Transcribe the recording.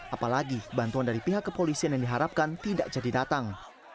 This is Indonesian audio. apalagi bantuan dari pihak kepolisian yang diharapkan tidak jadi datang